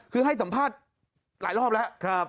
คือให้สัมภาษณ์หลายรอบแล้ว